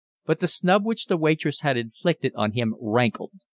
But the snub which the waitress had inflicted on him rankled.